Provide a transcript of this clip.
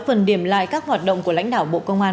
phần điểm lại các hoạt động của lãnh đạo bộ công an